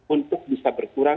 untuk bisa berkurang